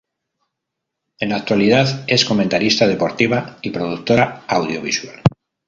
En la actualidad es comentarista deportiva y productora audiovisual.